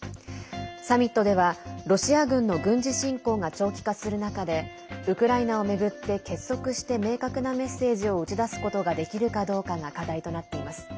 サミットでは、ロシア軍の軍事侵攻が長期化する中でウクライナを巡って結束して明確なメッセージを打ち出すことができるかどうかが課題となっています。